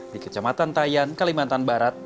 di kecamatan tayan kalimantan barat